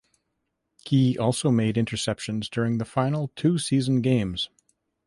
Key also made interceptions during the final two season games.